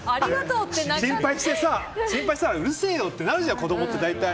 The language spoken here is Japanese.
心配したらうるせえよってなるじゃん子供って、大体。